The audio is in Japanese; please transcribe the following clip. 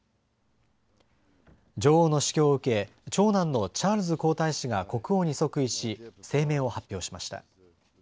女王の死去を受け長男のチャールズ皇太子が国王に即位し声明を発表しました。